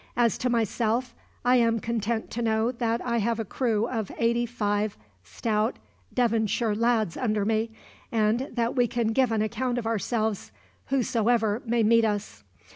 As to myself, I am content to know that I have a crew of eighty five stout Devonshire lads under me, and that we can give an account of ourselves, whosoever may meet us.